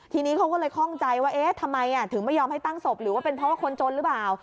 ทีนี้เขาก็เลยคล่องใจว่าเอ๊ะทำไมถึงไม่ยอมให้ตั้งศพหรือว่าเป็นเพราะว่าคนจนหรือเปล่า